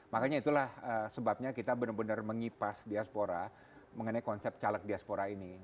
makanya itulah sebabnya kita benar benar mengipas diaspora mengenai konsep caleg diaspora ini